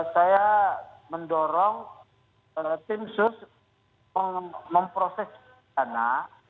saya mendorong tim sus memproses dana